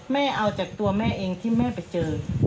แม่เอาจากตัวแม่เองที่แม่ไปเจอ